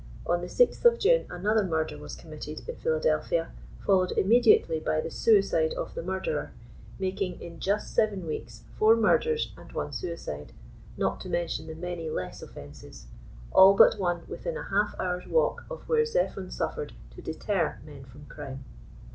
On the 6th of June another murder was com mitted in Philadelphia, followed immediately by the suicide of the murderer; making in just seven weeks, four murders and one suicide, (not to mention the many less ofienses,) all but one within a half hour's walk of where Zephon suffered to deter men from crime.